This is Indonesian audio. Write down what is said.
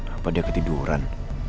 apa dia ketiduran